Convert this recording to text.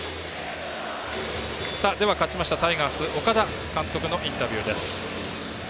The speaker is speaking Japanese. では勝ちましたタイガース岡田監督のインタビューです。